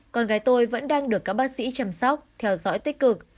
con gái tôi vẫn đang được các bác sĩ chăm sóc theo dõi tích cực